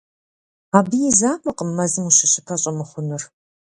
Абы и закъуэкъым мэзым ущыщыпэ щӀэмыхъунур.